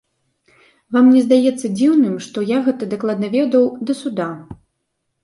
Вам не здаецца дзіўным, што я гэта дакладна ведаў да суда?